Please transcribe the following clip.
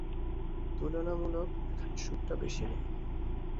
তূলনামূলক, এখানে সুখ টা বেশী না।